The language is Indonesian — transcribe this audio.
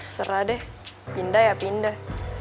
serah deh pindah ya pindah